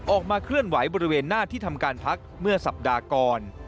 ออกมาเคลื่อนไหวบริเวณหน้าที่ทำการพักเมื่อสัปดาห์ก่อน